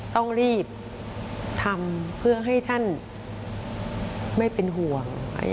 ต้องรีบทำเพื่อให้ท่านไม่เป็นห่วง